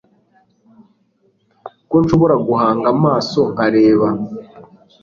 ko nshobora guhanga amaso nkareba